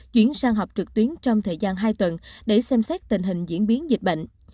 chuyển sang họp trực tuyến trong thời gian hai tuần để xem xét tình hình diễn biến dịch bệnh